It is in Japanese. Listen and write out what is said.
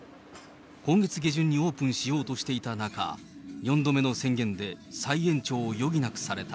今月下旬にオープンしようとしていた中、４度目の宣言で、再延長を余儀なくされた。